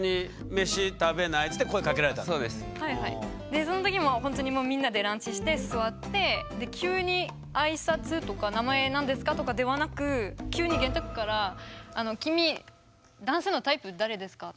でその時もほんとにもうみんなでランチして座ってで急に挨拶とか「名前何ですか？」とかではなく急に玄徳から「君男性のタイプ誰ですか？」